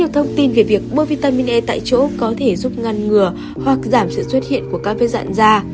thông tin về việc bôi vitamin e tại chỗ có thể giúp ngăn ngừa hoặc giảm sự xuất hiện của các vết dạng da